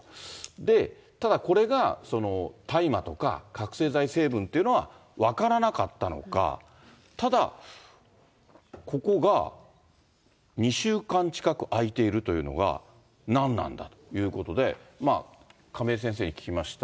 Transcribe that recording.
で、ただ、これが大麻とか覚醒剤成分というのは分からなかったのか、ただ、ここが、２週間近くあいているというのが何なんだということで、亀井先生に聞きました。